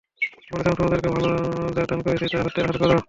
বলেছিলাম, তোমাদেরকে ভাল যা দান করেছি তা হতে আহার কর।